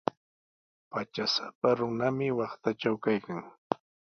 Patrasapa runami waqtatraw kaykan.